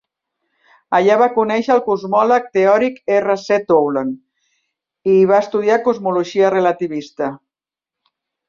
Allà va conèixer el cosmòleg teòric R. C. Tolan, i hi va estudiar cosmologia relativista.